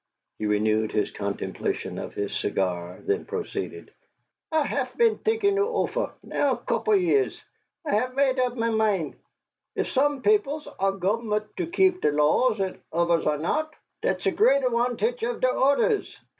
He renewed his contemplation of his cigar, then proceeded: "I hef been t'inkin' it ofer, now a couple years. I hef mate up my mind. If some peobles are gombelt to keep der laws and oders are not, dot's a great atwantitch to der oders.